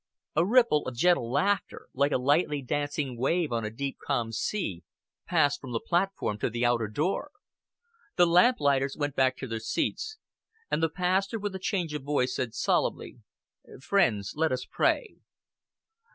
A ripple of gentle laughter, like a lightly dancing wave on a deep calm sea, passed from the platform to the outer door; the lamplighters went back to their seats; and the pastor with a change of voice said solemnly: "Friends, let us pray."